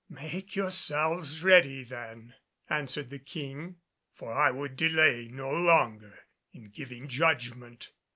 "Make yourselves ready, then," answered the King, "for I would delay no longer in giving judgment."